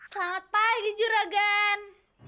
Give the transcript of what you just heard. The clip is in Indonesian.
selamat pagi juragan